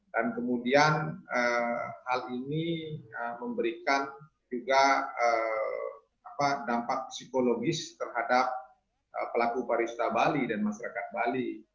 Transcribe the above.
dan kemudian hal ini memberikan juga dampak psikologis terhadap pelaku pariwisata bali dan masyarakat bali